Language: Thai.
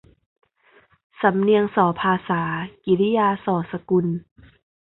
สำเนียงส่อภาษา กิริยาส่อสกุล